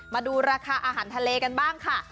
มาดูราคาอาหารทะเลกันบ้างค่ะ